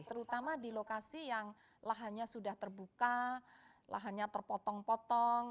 terutama di lokasi yang lahannya sudah terbuka lahannya terpotong potong